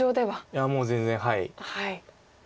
いやもう全然はい。